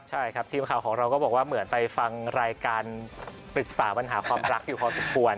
ใช่ครับทีมข่าวของเราก็บอกว่าเหมือนไปฟังรายการปรึกษาปัญหาความรักอยู่พอสมควร